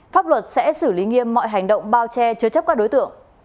pháp luật sẽ xử lý nghiêm mọi hành động bao che chứa chấp các đối tượng